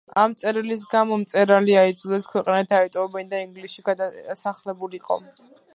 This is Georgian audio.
ამ წერილის გამო მწერალი აიძულეს ქვეყანა დაეტოვებინა და ინგლისში გადასახლებულიყო.